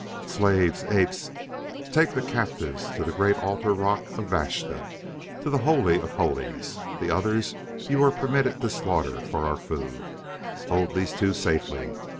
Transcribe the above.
"Slaves! Apes! Take the captives to the great altar rock of Vashta, to the Holy of Holies. The others you were permitted to slaughter for our food; hold these two safely.